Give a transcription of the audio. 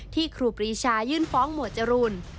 ครูปรีชายื่นฟ้องหมวดจรูน